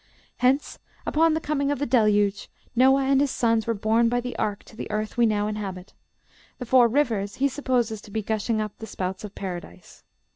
Hence, upon the coming of the Deluge, Noah and his sons were borne by the ark to the earth we now inhabit. The four rivers he supposes to be gushing up the spouts of Paradise."